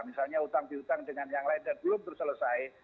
misalnya utang piutang dengan yang lain dan belum terselesai